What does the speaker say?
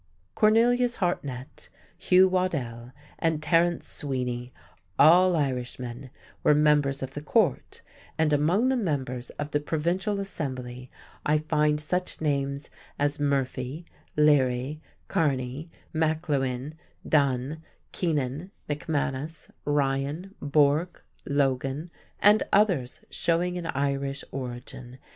Cornelius Hartnett, Hugh Waddell, and Terence Sweeny, all Irishmen, were members of the Court, and among the members of the provincial assembly I find such names as Murphy, Leary, Kearney, McLewean, Dunn, Keenan, McManus, Ryan, Bourke, Logan, and others showing an Irish origin.